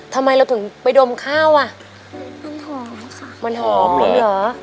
ทำไมเราถึงไปดมข้าวอ่ะมันหอมค่ะมันหอมเหรอโอ้